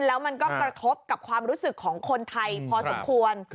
แล้วมันก็กระทบกับความรู้สึกของคนไทยพอสมควร